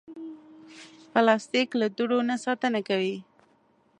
پلاستيک له دوړو نه ساتنه کوي.